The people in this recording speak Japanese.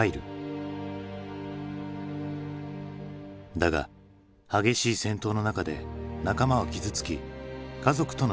だが激しい戦闘の中で仲間は傷つき家族との溝も深まる。